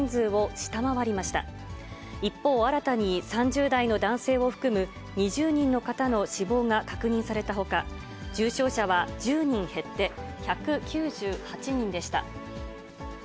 一方、新たに３０代の男性を含む２０人の方の死亡が確認されたほか、重症者は１０人減って１９８人でした。